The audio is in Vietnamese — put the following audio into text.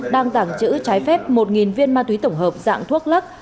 đăng tảng chữ trái phép một viên ma túy tổng hợp dạng thuốc lắc